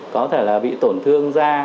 có thể là bị tổn thương da